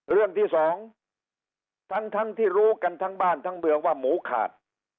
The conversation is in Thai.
เรื่องที่สองทั้งที่รู้กันทั้งบ้านทั้งเมืองว่าหมูขาด